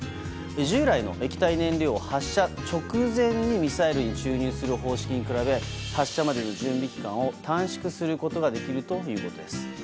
従来の液体燃料を発射直前にミサイルに注入する方式に比べ発射までの準備期間を短縮することができるということです。